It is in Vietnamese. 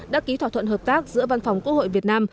đã ký thỏa thuận hợp tác giữa văn phòng quốc hội việt nam